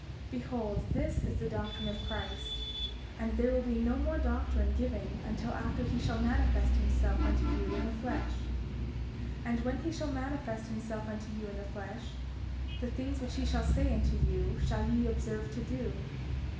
32:6 Behold, this is the doctrine of Christ, and there will be no more doctrine given until after he shall manifest himself unto you in the flesh. And when he shall manifest himself unto you in the flesh, the things which he shall say unto you shall ye observe to do.